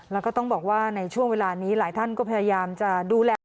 แล้วก็ต้องบอกว่าในช่วงเวลานี้หลายท่านก็พยายามจะดูแล